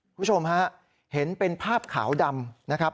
คุณผู้ชมฮะเห็นเป็นภาพขาวดำนะครับ